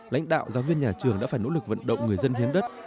lãnh đạo giáo viên nhà trường đã phải nỗ lực vận động người dân hiến đất